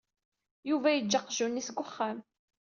Yuba yeǧǧa aqjun-is deg uxxam.